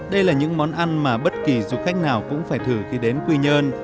đây là những món ăn mà bất kỳ du khách nào cũng phải thử khi đến quy nhơn